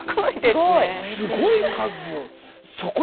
すごい数よ！